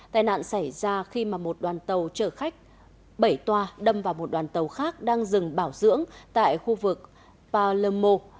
tại nạn xảy ra khi một đoàn tàu chở khách bảy tòa đâm vào một đoàn tàu khác đang dừng bảo dưỡng tại khu vực palermo